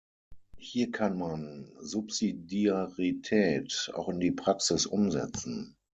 Hier kann man Subsidiarität auch in die Praxis umsetzen.